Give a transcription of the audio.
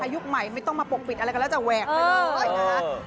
ในยุคใหม่ไม่ต้องมาปกปิดอะไรกันแล้วแต่จะแหวกเลยนะ